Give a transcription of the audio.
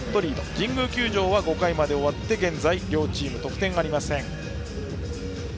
神宮球場は５回まで終わって現在、両チーム得点がありません。